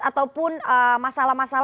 ataupun masalah masalah yang diperlukan